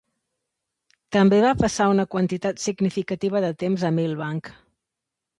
També va passar una quantitat significativa de temps a Mill Bank.